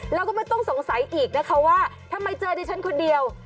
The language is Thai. แล้วก็ไม่ต้องสงสัยอีกนะคะว่าทำไมเจอดิฉันคนเดียว